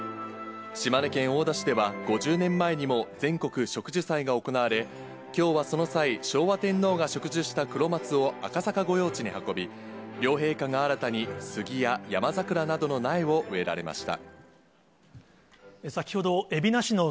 島根県大田市では、５０年前にも全国植樹祭が行われ、きょうはその際、昭和天皇が植樹したクロマツを赤坂御用地に運び、両陛下が新たにスギやヤマザクラなどの苗を植えられました。